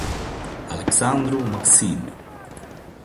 Alexandru Maxim